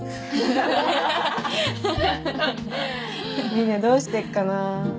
みねどうしてっかな？